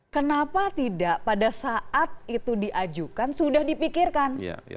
kenapa tidak pada saat itu diajukan sudah dipikirkan